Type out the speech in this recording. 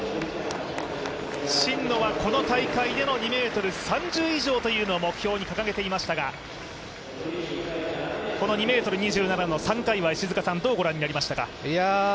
真野はこの大会での２ｍ３０以上を目標に掲げていましたがこの２ｍ２７の３回はどう御覧になりましたか。